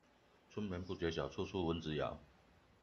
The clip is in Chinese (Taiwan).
春眠不覺曉，處處蚊子咬